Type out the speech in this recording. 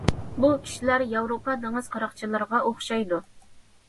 بۇ كىشىلەر ياۋروپا دېڭىز قاراقچىلىرىغا ئوخشايدۇ.